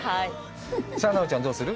さあ奈緒ちゃん、どうする？